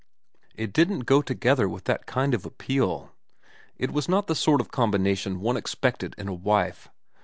It didn't go together with that kind of appeal. It was not the sort of combination one ex pected in a wife.